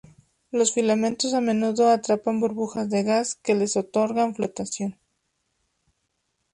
Los filamentos a menudo atrapan burbujas de gas, que les otorgan flotación.